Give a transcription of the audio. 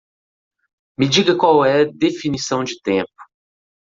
Me diga qual é definição de tempo.